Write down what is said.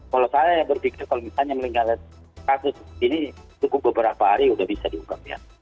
kalau saya berpikir kalau misalnya meninggalkan kasus ini cukup beberapa hari sudah bisa diungkap ya